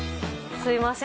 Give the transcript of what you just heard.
すみません。